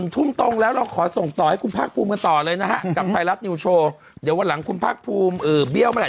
๑ทุ่มตรงแล้วเราขอส่งต่อให้คุณพรรคภูมิต่อเลยนะครับกับไทยรับนิวโชว์เดี๋ยววันหลังคุณพรรคภูมิเบี้ยวมาแหละ